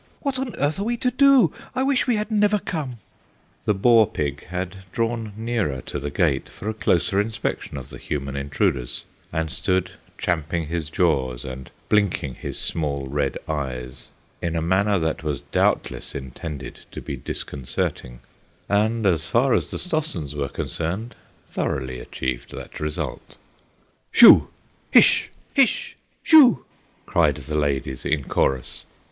"What on earth are we to do? I wish we had never come." The boar pig had drawn nearer to the gate for a closer inspection of the human intruders, and stood champing his jaws and blinking his small red eyes in a manner that was doubtless intended to be disconcerting, and, as far as the Stossens were concerned, thoroughly achieved that result. "Shoo! Hish! Hish! Shoo!" cried the ladies in chorus.